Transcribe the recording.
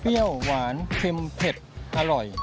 เพี้ยวหวานเข็มเผ็ดอร่อย